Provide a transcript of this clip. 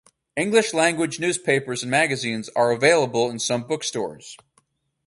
English language newspapers and magazines are available in some bookstores.